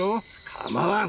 構わん！